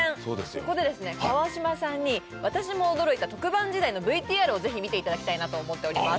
ここでですね川島さんに私も驚いた特番時代のＶＴＲを是非見ていただきたいなと思っております